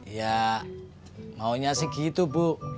ya maunya sih gitu bu